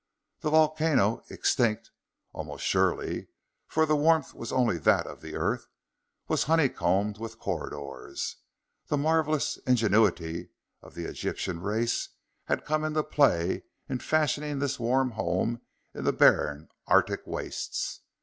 The volcano extinct, almost surely, for the warmth was only that of the earth was honey combed with corridors. The marvelous ingenuity of the Egyptian race had come into play in fashioning this warm home in the barren arctic wastes.